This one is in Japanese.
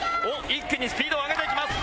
一気にスピードを上げていきます。